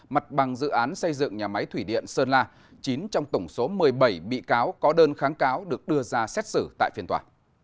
mặt bằng dự án xây dựng nhà máy thủy điện sơn la chín trong tổng số một mươi bảy bị cáo có đơn kháng cáo được đưa ra xét xử tại phiên tòa